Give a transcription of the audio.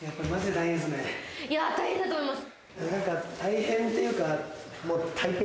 大変だと思います。